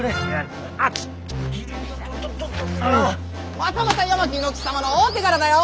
またまた八巻卯之吉様の大手柄だよ！